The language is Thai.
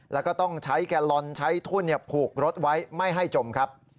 แล้วก็ต้องใช้แกลลอนใช้ทุ่นผูกรถไว้ไม่ให้จมครับ